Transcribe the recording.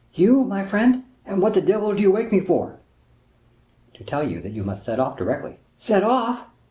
"You, my friend? And what the devil do you wake me for?" "To tell you that you must set off directly." "Set off?"